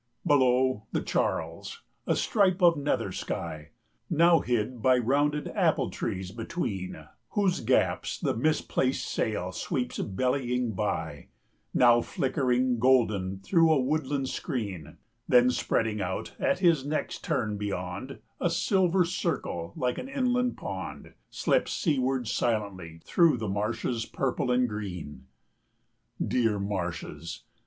Below, the Charles a stripe of nether sky, Now hid by rounded apple trees between, Whose gaps the misplaced sail sweeps bellying by, Now flickering golden through a woodland screen, 95 Then spreading out, at his next turn beyond, A silver circle like an inland pond Slips seaward silently through marshes purple and green. Dear marshes!